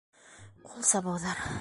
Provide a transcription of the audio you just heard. Ҡул сабыуҙар.